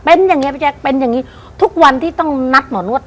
เป็นอย่างเงี้พี่แจ๊คเป็นอย่างงี้ทุกวันที่ต้องนัดหมอนวด